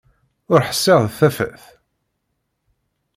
Ur ḥsiɣ d tafat.